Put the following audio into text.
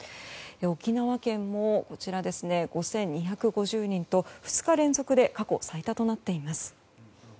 沖縄県も５２５０人と２日連続で過去最多となっています。